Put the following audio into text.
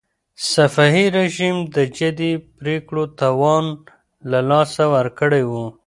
صفوي رژيم د جدي پرېکړو توان له لاسه ورکړی و.